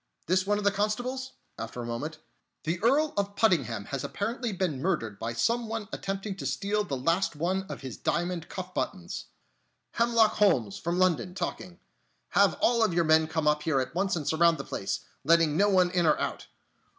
"This one of the constables?" after a moment. "This is Normanstow Towers. The Earl of Puddingham has apparently been murdered by some one attempting to steal the last of his diamond cuff buttons.... Hemlock Holmes, from London, talking. Have all your men come up here at once and surround the place, letting no one in or out!...